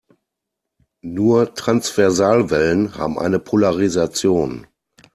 Nur Transversalwellen haben eine Polarisation.